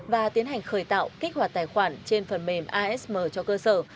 và tiến hành khởi tạo kích hoạt tài khoản trên phần mềm asm cho cơ sở